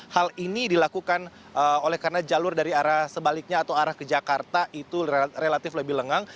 hal ini dilakukan oleh karena jalur dari arah sebaliknya atau arah ke jakarta itu relatif lebih lengang